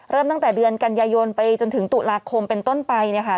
ตั้งแต่เดือนกันยายนไปจนถึงตุลาคมเป็นต้นไปเนี่ยค่ะ